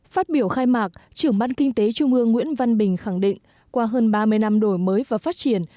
phát biểu khai mạc trưởng ban kinh tế trung ương nguyễn văn bình khẳng định qua hơn ba mươi năm đổi mới và phát triển